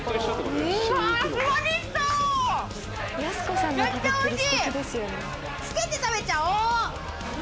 うわめっちゃおいしい。